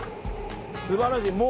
素晴らしい。